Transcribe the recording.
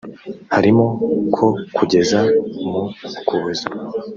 harimo ko kugeza mu Ukuboza